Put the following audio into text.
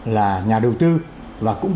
là nhà đầu tư và cũng